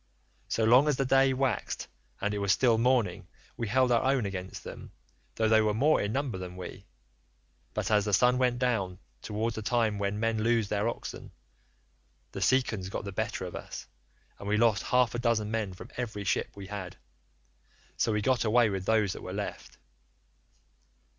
76 So long as the day waxed and it was still morning, we held our own against them, though they were more in number than we; but as the sun went down, towards the time when men loose their oxen, the Cicons got the better of us, and we lost half a dozen men from every ship we had; so we got away with those that were left.